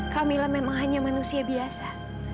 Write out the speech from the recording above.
kamila memang hanya manusia biasa